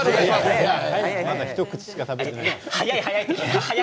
一口しか食べてない。